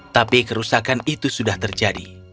tapi kerusakan itu sudah terjadi